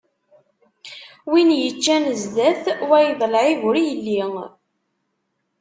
Win yeččan zdat wayeḍ, lɛib ur yelli.